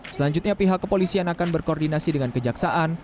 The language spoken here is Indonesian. selanjutnya pihak kepolisian akan berkoordinasi dengan kejaksaan